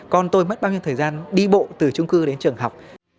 còn tôi mất bao nhiêu thời gian đi bộ từ chung cư đến trường học